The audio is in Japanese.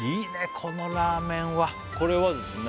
このラーメンはこれはですね